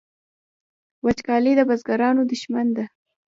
وچکالي د بزګرانو دښمن ده